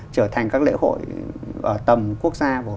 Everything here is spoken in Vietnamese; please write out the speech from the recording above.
trở thành các lễ hội ở tầm quốc gia